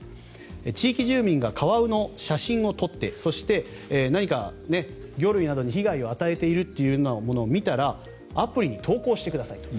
地域住民がカワウの写真を撮ってそして、何か魚類などに被害を与えているというものを見たらアプリに投稿してくださいと。